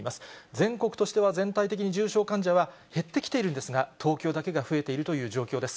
全国としては全体的に重症患者は減ってきているんですが、東京だけが増えているという状況です。